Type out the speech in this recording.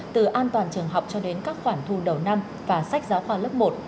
từ an toàn trường học cho đến các khoản thu đầu năm và sách giáo khoa lớp một